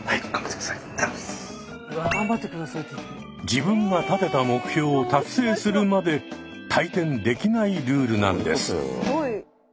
自分が立てた目標を達成するまで退店できないルールなんです。